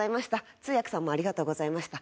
通訳さんもありがとうございました。